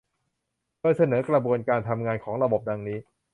โดยเสนอกระบวนการทำงานของระบบดังนี้